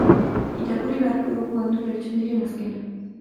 Irakurri beharko dugu Andu Lertxundiren azkena.